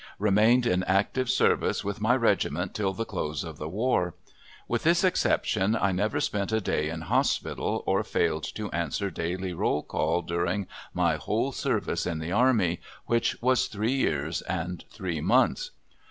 Remained in active service with my regiment till the close of the war. With this exception I never spent a day in hospital or failed to answer daily roll call during my whole service in the army, which was three years and three months.